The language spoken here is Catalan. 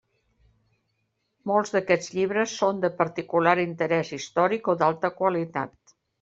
Molts d'aquests llibres són de particular interès històric o d'alta qualitat.